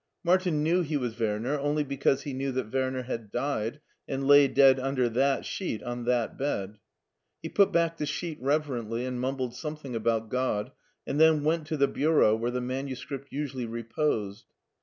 Martin knew he was Werner only because he knew that Werner had died, and lay dead tmder that sheet on that bed. He put back the sheet reverently and mum bled something about God, and then went to the bureau where the manuscript usually reposed.